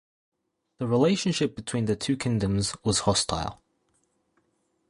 The relationship between the two kingdoms was hostile.